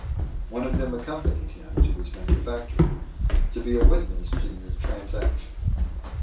One of them accompanied him to his manufactory, to be a witness in the transaction.